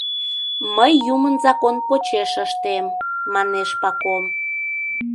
— Мый юмын закон почеш ыштем, — манеш Паком.